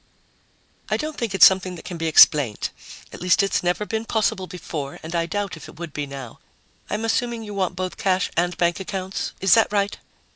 "I don't think it's something that can be explained. At least it's never been possible before and I doubt if it would be now. I'm assuming you want both cash and bank accounts. Is that right?"